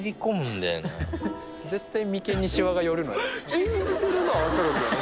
演じてるのはわかるんだよね